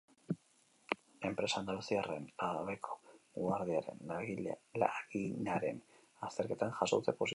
Enpresa andaluziarraren labeko gurdiaren laginaren azterketan jaso dute positiboetako bat.